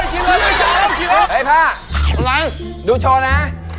เฮ้ยพ่อข้างล่างดูโชว์นะ